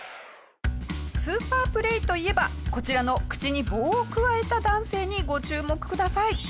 スーパープレーといえばこちらの口に棒をくわえた男性にご注目ください。